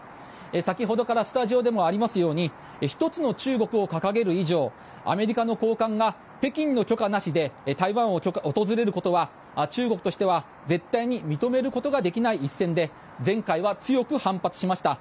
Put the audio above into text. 先ほどからスタジオでもありますように一つの中国を掲げる以上アメリカの高官が北京の許可なしで台湾を訪れることは中国としては絶対に認めることができない一線で前回は強く反発しました。